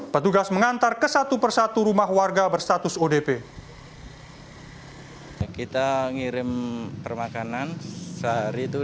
petugas mengantar ke satu persatu rumah warga berstatus odp kita ngirim permakanan sehari itu